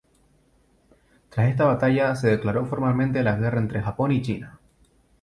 Tras esta batalla, se declaró formalmente la guerra entre Japón y China.